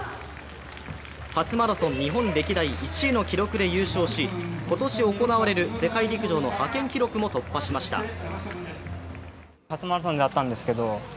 初マラソン日本歴代１位の記録で優勝し、今年行われる世界陸上の派遣記録も突破しました。